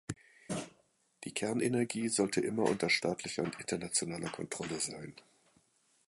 Die Kernenergie sollte immer unter staatlicher und internationaler Kontrolle sein.